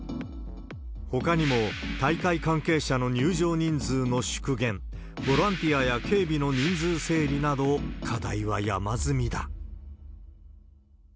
ほかにも大会関係者の入場人数の縮減、ボランティアや警備の人数整理など、課題は山積みだ。